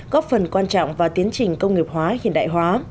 góp phần quan trọng vào tiến trình công nghiệp hóa hiện đại hóa